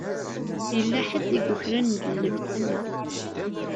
Yella ḥedd i yukren llebsa-nneɣ.